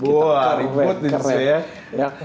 wah reboot ini sih ya